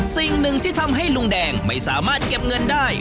สิ่งหนึ่งที่ทำให้ลุงแดงไม่สามารถเก็บเงินได้